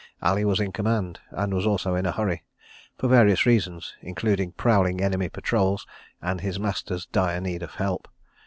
Ali was in command, and was also in a hurry, for various reasons, including prowling enemy patrols and his master's dire need of help.